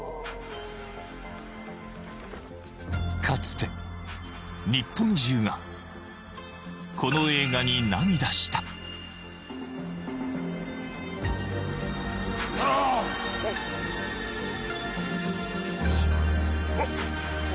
かつて日本中がこの映画に涙したタロ